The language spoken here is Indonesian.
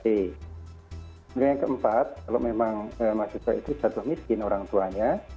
kemudian yang keempat kalau memang mahasiswa itu jatuh miskin orang tuanya